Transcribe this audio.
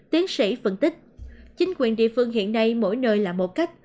tiến sĩ phân tích chính quyền địa phương hiện nay mỗi nơi là một cách